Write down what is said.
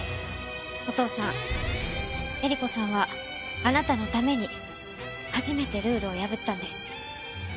お父さん英理子さんはあなたのために初めてルールを破ったんです。